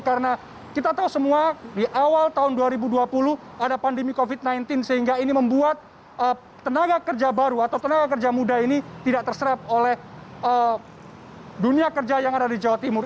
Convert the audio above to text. karena kita tahu semua di awal tahun dua ribu dua puluh ada pandemi covid sembilan belas sehingga ini membuat tenaga kerja baru atau tenaga kerja muda ini tidak terserap oleh dunia kerja yang ada di jawa timur